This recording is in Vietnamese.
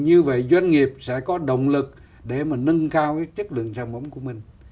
như vậy doanh nghiệp sẽ có động lực để mà nâng cao chất lượng sản phẩm của mình